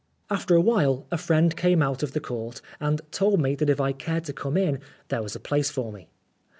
After awhile, a friend came out of the Court and told me that if I cared to come in, there was a place for me.